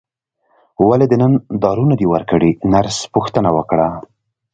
ولې دې نن دارو نه دي ورکړي نرس پوښتنه وکړه.